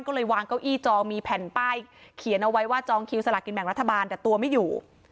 ก็เลยวางเก้าอี้จองมีแผ่นป้ายเขียนเอาไว้ว่าจองคิวสละกินแบ่งรัฐบาลแต่ตัวไม่อยู่